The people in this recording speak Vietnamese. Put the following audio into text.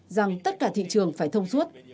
rằng tất cả thị trường phải thông suốt